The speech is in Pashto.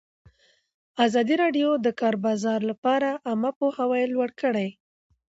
ازادي راډیو د د کار بازار لپاره عامه پوهاوي لوړ کړی.